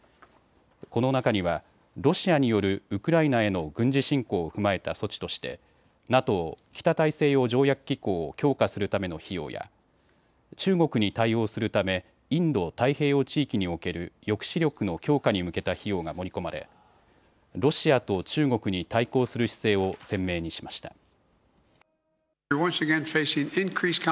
この中にはロシアによるウクライナへの軍事侵攻を踏まえた措置としてＮＡＴＯ・北大西洋条約機構を強化するための費用や中国に対応するためインド太平洋地域における抑止力の強化に向けた費用が盛り込まれロシアと中国に対抗する姿勢を鮮明にしました。